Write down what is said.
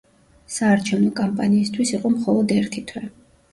საარჩევნო კამპანიისთვის იყო მხოლოდ ერთი თვე.